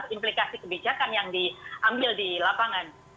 implikasi kebijakan yang diambil di lapangan